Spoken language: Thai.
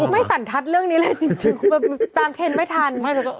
สันทัศน์เรื่องนี้เลยจริงตามเคนไม่ทัน